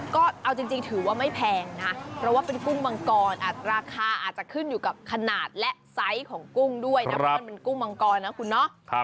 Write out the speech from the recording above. ก็เอาจริงถือว่าไม่แพงนะเพราะว่าเป็นกุ้งมังกรราคาอาจจะขึ้นอยู่กับขนาดและไซส์ของกุ้งด้วยนะเพราะมันเป็นกุ้งมังกรนะคุณเนาะ